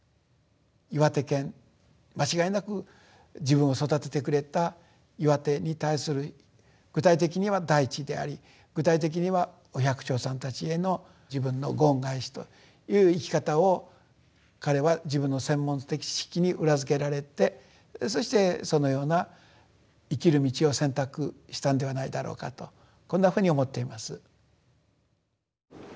岩手県間違いなく自分を育ててくれた岩手に対する具体的には大地であり具体的にはお百姓さんたちへの自分のご恩返しという生き方を彼は自分の専門的知識に裏付けられてそしてそのような生きる道を選択したんではないだろうかとこんなふうに思っています。